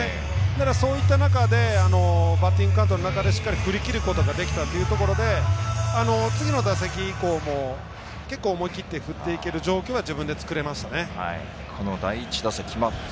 そうした中でバッティングカウントの中でしっかり振り切ることができたということで次の打席以降も結構、思い切って振っていける状況を自分で作りましたね。